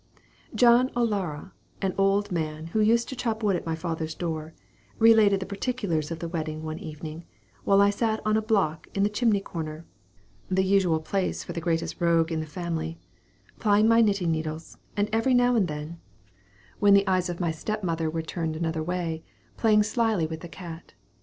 Johnny O'Lara, an old man, who used to chop wood at my father's door, related the particulars of the wedding one evening, while I sat on a block in the chimney corner (the usual place for the greatest rogue in the family), plying my knitting needles, and every now and then, when the eyes of my step mother were turned another way, playing slyly with the cat.